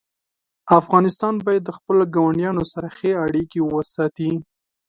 افغانستان باید د خپلو ګاونډیانو سره ښې اړیکې وساتي.